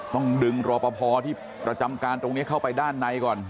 ต้องดึงรอปภที่ประจำการตรงนี้เข้าไปด้านในก่อน